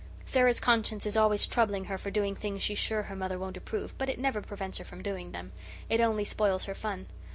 Sara's conscience is always troubling her for doing things she's sure her mother won't approve, but it never prevents her from doing them. It only spoils her fun.